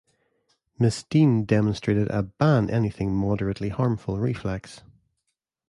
Ms Dean demonstrated a 'ban anything moderately harmful' reflex.